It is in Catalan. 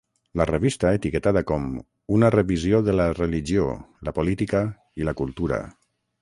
La revista, etiquetada com "Una revisió de la religió, la política i la cultura".